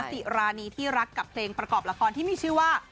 สิรานีที่รักกับเพลงประกอบละครที่มีชื่อว่า